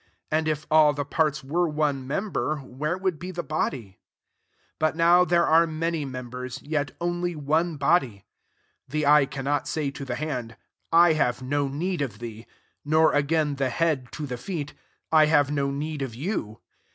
19 And if all the fiarta were one member, where would be the body ? 20 But now there are many members, yet only one body. 21 The eye cannot say to the hand, " I have no need of thee;" nor again the head to the feet, " I have no need of you."